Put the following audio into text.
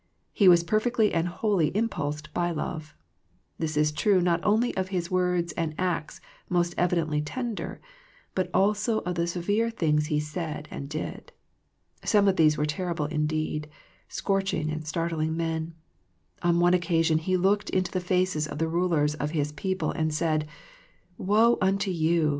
He was perfectly and wholly impulsed by love. This is true not only of His words and acts most evidently ten der, but also of the severe things He said and did. Some of these were terrible indeed, scorch ing and startling men. On one occasion He looked into the faces of the rulers of His people and said, " Woe unto you.